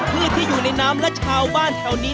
พืชที่อยู่ในน้ำและชาวบ้านแถวนี้